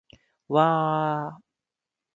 わあーーーーーーーーーー